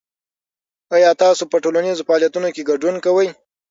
آیا تاسو په ټولنیزو فعالیتونو کې ګډون کوئ؟